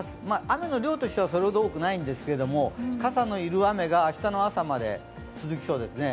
雨の量とはそれほど多くないんですけれども、傘の要る雨が明日の朝まで続きそうですね。